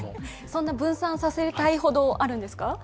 そんな分散させたいことがあるんですか。